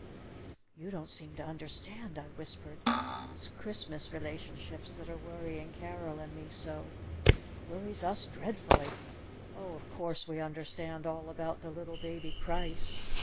"You don't seem to understand," I whispered. "It's Christmas relationships that are worrying Carol and me so! It worries us dreadfully! Oh, of course we understand all about the Little Baby Christ!